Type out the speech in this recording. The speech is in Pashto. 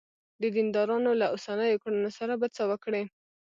د دیندارانو له اوسنیو کړنو سره به څه وکړې.